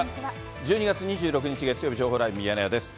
１２月２６日月曜日、情報ライブミヤネ屋です。